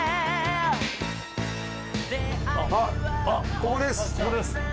あっここです！